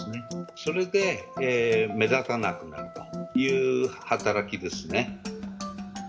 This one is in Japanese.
それで目立たなくなるという働きですね。